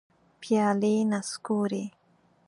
پیالي نسکوري